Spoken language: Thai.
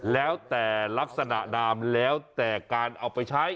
แล้วแต่ลักษณะนามแล้วแต่การเอาไปใช้